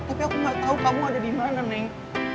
tapi aku gak tau kamu ada dimana neng